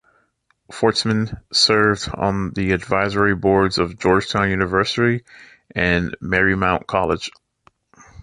Forstmann served on the advisory boards of Georgetown University and Marymount College.